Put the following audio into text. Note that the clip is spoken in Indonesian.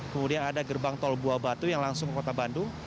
kemudian ada gerbang tol buah batu yang langsung ke kota bandung